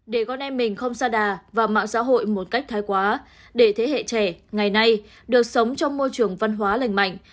để con em mình không xa đà vào mạng xã hội một cách thái quá để thế hệ trẻ ngày nay được sống trong môi trường văn hóa lành mạnh